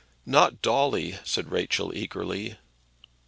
"Not Dolly," said Rachel, eagerly.